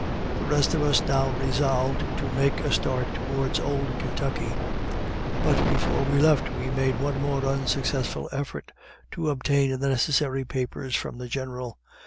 The rest of us now resolved to make a start towards old Kentucky; but before we left we made one more unsuccessful effort to obtain the necessary papers from the General.